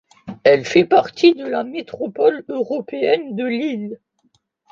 Elle fait partie de la Métropole européenne de Lille.